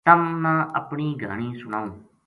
تَم نا اپنی گہانی سناؤں